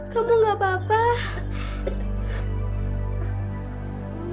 kamu gak apa apa